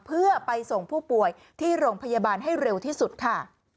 เพื่อไปส่งผู้ป่วยที่โรงพยาบาลให้เร็วที่สุดค่ะ